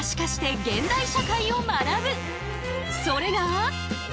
それが。